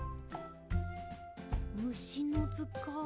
「むしのずかん」